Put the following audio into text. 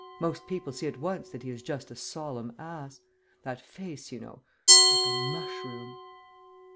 Most people see at once that he is just a solemn ass. That face, you know ... like a mushroom...."